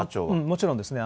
もちろんですね。